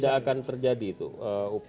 tidak akan terjadi itu